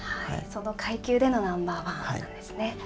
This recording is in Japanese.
その階級でのナンバー１ということですね。